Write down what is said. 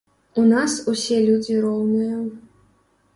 У нас усе людзі роўныя.